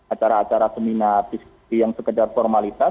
acara acara seminar diskusi yang sekedar formalitas